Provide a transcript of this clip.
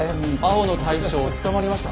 青の大将捕まりました。